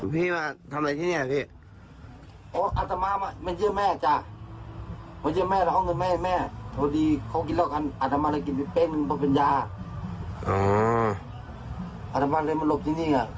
พี่มาทำอะไรที่นี่